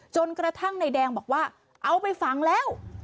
จนกระทั่งนายแดงบอกว่าเอาไปฝังแล้ว